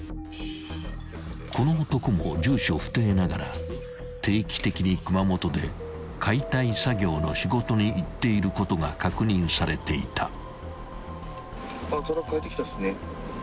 ［この男も住所不定ながら定期的に熊本で解体作業の仕事に行っていることが確認されていた］